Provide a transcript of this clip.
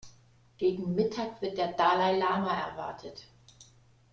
Gegen Mittag wird der Dalai-Lama erwartet.